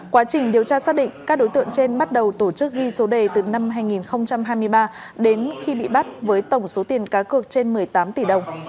quá trình điều tra xác định các đối tượng trên bắt đầu tổ chức ghi số đề từ năm hai nghìn hai mươi ba đến khi bị bắt với tổng số tiền cá cược trên một mươi tám tỷ đồng